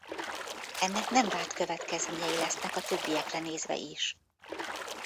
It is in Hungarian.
Ennek nem várt következményei lesznek a többiekre nézve is.